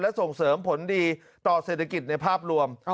และส่งเสริมผลดีต่อเศรษฐกิจในภาพรวม